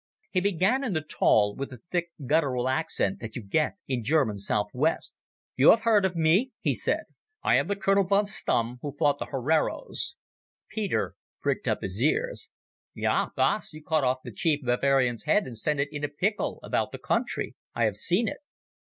He began in the taal, with the thick guttural accent that you get in German South West. "You have heard of me," he said. "I am the Colonel von Stumm who fought the Hereros." Peter pricked up his ears. "Ja, Baas, you cut off the chief Baviaan's head and sent it in pickle about the country. I have seen it."